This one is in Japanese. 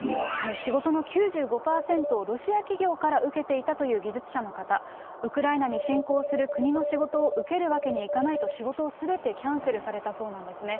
仕事の９５％をロシア企業から受けていたという技術者の方、ウクライナに侵攻する国の仕事を受けるわけにいかないと、仕事をすべてキャンセルされたそうなんですね。